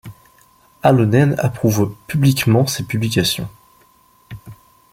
Halonen approuve publiquement ces publications.